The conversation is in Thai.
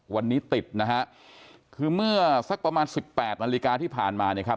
วันนี้ติดนะฮะคือเมื่อสักประมาณสิบแปดนาฬิกาที่ผ่านมาเนี่ยครับ